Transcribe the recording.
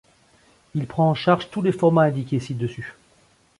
Il prend en charge tous les formats indiqués ci-dessus.